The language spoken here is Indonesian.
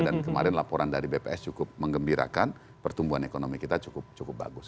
dan kemarin laporan dari bps cukup mengembirakan pertumbuhan ekonomi kita cukup bagus